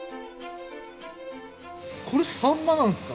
これサンマなんすか？